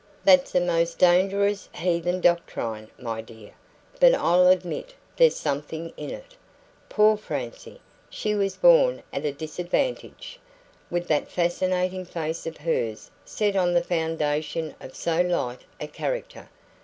"That's a most dangerous heathen doctrine, my dear, but I'll admit there's something in it. Poor Francie! she was born at a disadvantage, with that fascinating face of hers set on the foundation of so light a character.